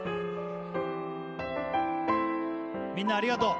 みんなありがとう